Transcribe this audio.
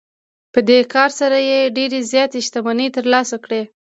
په دې کار سره یې ډېرې زیاتې شتمنۍ ترلاسه کړې